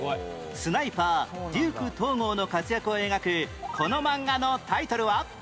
スナイパーデューク東郷の活躍を描くこの漫画のタイトルは？